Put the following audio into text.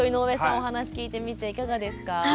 お話聞いてみていかがですか？